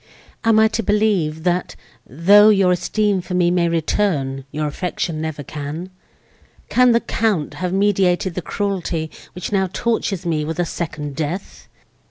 am I to believe, that, though your esteem for me may return—your affection never can? Can the Count have meditated the cruelty, which now tortures me with a second death?"